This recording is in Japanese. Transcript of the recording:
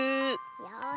よし。